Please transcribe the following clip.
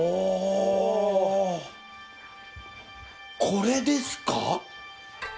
これですか？